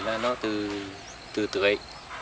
là nó từ tưới